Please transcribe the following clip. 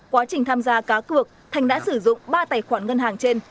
quá trình tham gia cá cược thành đã sử dụng ba tài khoản ngân hàng trên